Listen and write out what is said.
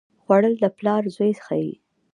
خوړل د پلار روزي ښيي